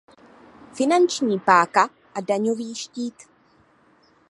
Finanční páka a daňový štít.